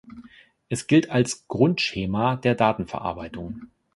Es gilt als Grundschema der Datenverarbeitung.